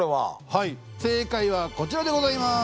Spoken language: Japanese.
はい正解はこちらでございます。